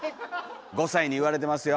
５歳に言われてますよ。